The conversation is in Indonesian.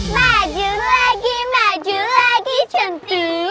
maju lagi maju lagi sempi